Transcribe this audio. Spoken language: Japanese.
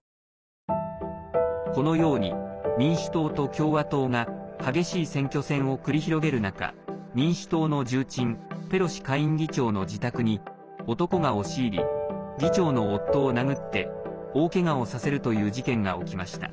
このように、民主党と共和党が激しい選挙戦を繰り広げる中民主党の重鎮ペロシ下院議長の自宅に男が押し入り議長の夫を殴って大けがをさせるという事件が起きました。